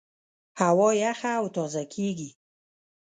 هوا یخه او تازه کېږي.